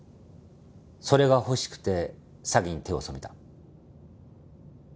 それが欲しくて詐欺に手を染めた。